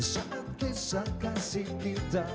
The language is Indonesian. saat kisah kasih kita